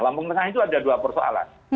lampung tengah itu ada dua persoalan